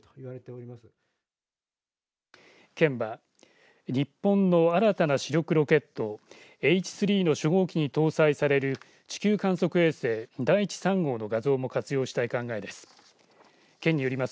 県は日本の新たな主力ロケットＨ３の初号機に搭載される地球観測衛星だいち３号の画像も活用したい考えです。